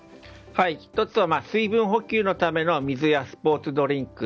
１つは水分補給のための水やスポーツドリンク